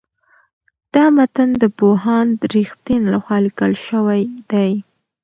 دا متن د پوهاند رښتین لخوا لیکل شوی دی.